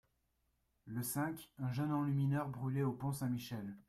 Le cinq, un jeune enlumineur brûlé au pont Saint-Michel.